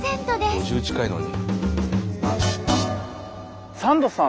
５０近いのに。